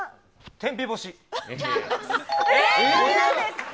天日干し。